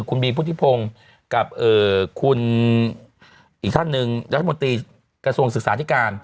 คุณบีพุทธิพงศ์กับคุณอีกท่านหนึ่งรัฐมนตรีกระทรวงศึกษาธิการ